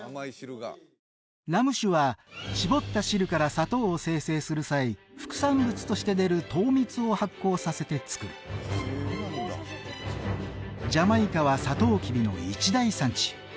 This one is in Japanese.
ラム酒はしぼった汁から砂糖を生成する際副産物として出る糖蜜を発酵させてつくるジャマイカはサトウキビの一大産地